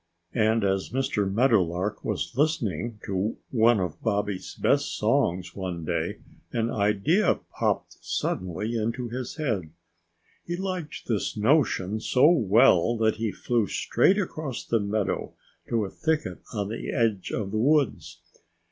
And as Mr. Meadowlark was listening to one of Bobby's best songs one day an idea popped suddenly into his head. He liked this notion so well that he flew straight across the meadow to a thicket on the edge of the woods.